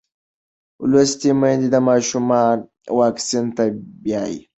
لوستې میندې ماشومان واکسین ته بیايي.